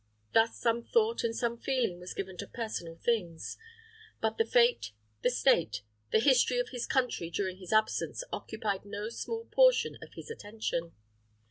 Thus some thought and some feeling was given to personal things; but the fate, the state, the history of his country during his absence occupied no small portion of his attention.